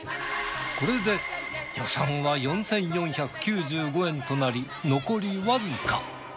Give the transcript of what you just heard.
これで予算は４，４９５円となり残りわずか。